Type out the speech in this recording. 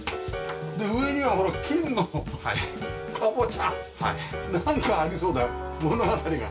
で上にはほら金のカボチャ！なんかありそうだよ物語が。